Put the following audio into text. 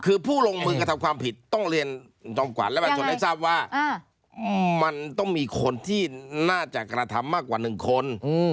คือผู้ลงมือกระทำความผิดต้องเรียนคุณจอมขวัญและประชาชนให้ทราบว่ามันต้องมีคนที่น่าจะกระทำมากกว่า๑คน